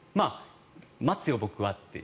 待つよ、僕はって。